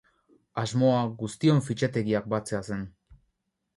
Asmoa guztion fitxategiak batzea zen.